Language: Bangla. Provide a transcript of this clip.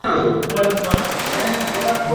আমার প্রায় সারা বছরই সর্দি লেগে থাকে।